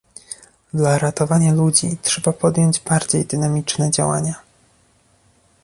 Dla ratowania ludzi trzeba podjąć bardziej dynamiczne działania